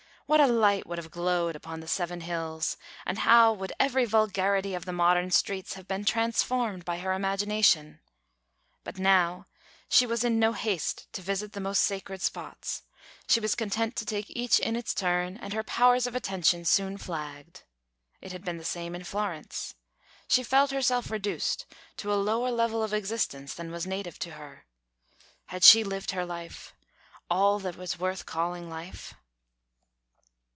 What a light would have glowed upon the Seven Hills, and how would every vulgarity of the modern streets have been transformed by her imagination! But now she was in no haste to visit the most sacred spots; she was content to take each in its turn, and her powers of attention soon flagged. It had been the same in Florence. She felt herself reduced to a lower level of existence than was native to her. Had she lived her life all that was worth calling life?